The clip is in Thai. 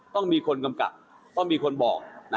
ต้องมีคนกำกับต้องมีคนบอก